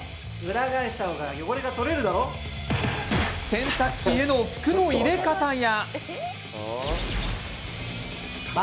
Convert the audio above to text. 洗濯機への服の入れ方や。